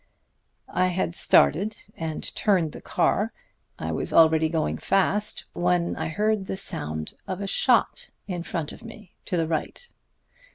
"I had started and turned the car I was already going fast when I heard the sound of a shot in front of me, to the right.